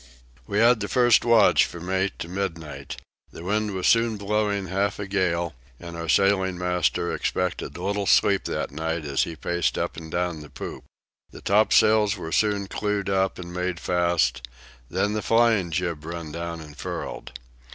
We had the first watch from eight to midnight. The wind was soon blowing half a gale, and our sailing master expected little sleep that night as he paced up and down the poop. The topsails were soon clewed up and made fast, then the flying jib run down and furled.